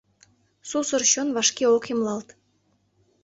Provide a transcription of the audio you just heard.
Сусыр чон вашке ок эмлалт.